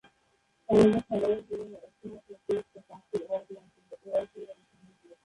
সমগ্র খেলোয়াড়ী জীবনে একটিমাত্র টেস্ট ও পাঁচটি ওডিআইয়ে অংশগ্রহণ করেছেন।